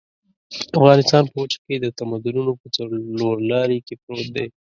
افغانستان په وچه کې د تمدنونو په څلور لاري کې پروت دی.